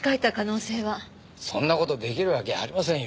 そんな事できるわけありませんよ。